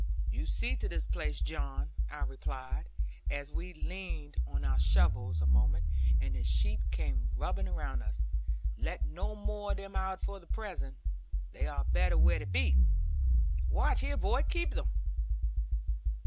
'You see to this place, John,' I replied, as we leaned on our shovels a moment, and the sheep came rubbing round us; 'let no more of them out for the present; they are better where they be. Watch, here boy, keep them!'